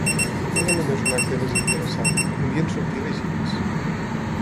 No era només un acte desinteressat, volien sortir elegits.